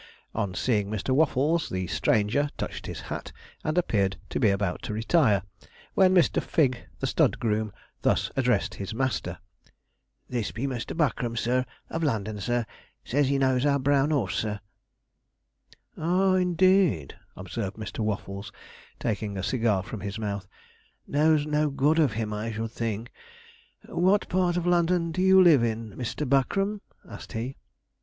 On seeing Mr. Waffles, the stranger touched his hat, and appeared to be about to retire, when Mr. Figg, the stud groom, thus addressed his master: 'This be Mr. Buckram, sir, of London, sir; says he knows our brown 'orse, sir.' 'Ah, indeed,' observed Mr. Waffles, taking a cigar from his mouth; 'knows no good of him, I should think. What part of London do you live in, Mr. Buckram?' asked he.